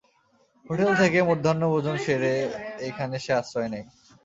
Hotel থেকে মধ্যাহ্নভোজন সেরে এইখানে সে আশ্রয় নেয়।